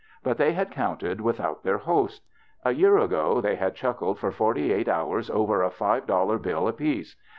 But they had count ed without their host. A year ago they had chuckled for forty eight hours over a five dollar bill apiece.